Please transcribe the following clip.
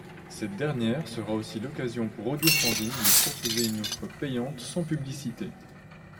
Cette dernière sera aussi l'occasion pour Audiofanzine de proposer une offre payante sans publicité.